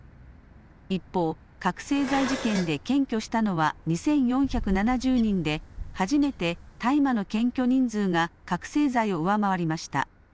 一方、覚醒剤事件で検挙したのは２４７０人で、初めて大麻の検挙人数が覚醒剤を上回りました。